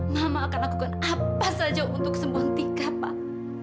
mama akan lakukan apa saja untuk sembuh tika pak